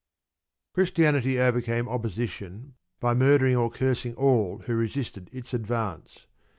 Christianity overcame opposition by murdering or cursing all who resisted its advance.